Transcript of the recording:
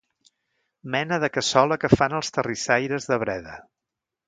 Mena de cassola que fan els terrissaires de Breda.